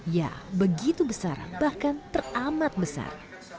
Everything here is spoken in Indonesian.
ya begitu besar bahkan teramat besar